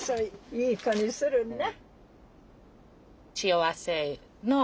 いい子にするんな。